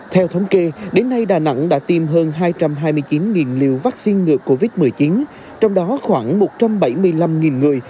theo thống kê đến nay đà nẵng đã tiêm hơn hai trăm hai mươi chín liều vaccine ngừa covid một mươi chín trong đó khoảng một trăm bảy mươi năm người